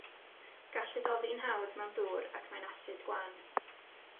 Gall hydoddi'n hawdd mewn dŵr ac mae'n asid gwan.